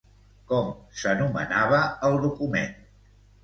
Com s'anomenava el document?